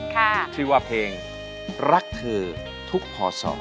ที่ว่าเพลงรักคือทุกพอสอ